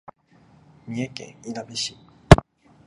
三重県いなべ市